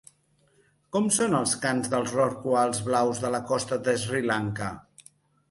Com són els cants dels rorquals blaus de la costa de Sri Lanka?